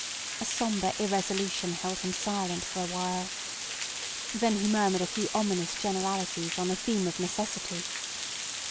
A sombre irresolution held him silent for a while. Then he murmured a few ominous generalities on the theme of necessity.